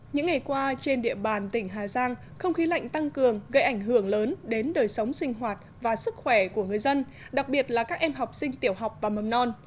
những ngày qua trên địa bàn tỉnh hà giang không khí lạnh tăng cường gây ảnh hưởng lớn đến đời sống sinh hoạt và sức khỏe của người dân đặc biệt là các em học sinh tiểu học và mầm non